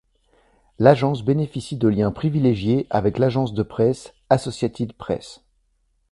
L'agence bénéficie de liens privilégiés avec l'agence de presse Associated Press.